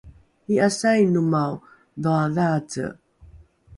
i’asainomao dhoadhaace?